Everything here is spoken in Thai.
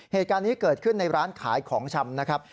เหตุการณ์นี้เกิดขึ้นในร้านขายของชำนะครับ